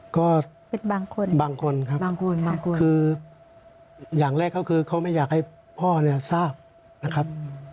ก็บางคนครับคืออย่างแรกก็คือเขาไม่อยากให้พ่อเนี่ยทราบนะครับ